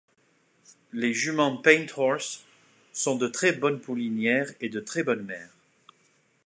Les juments Paint horse sont de très bonnes poulinières et de très bonnes mères.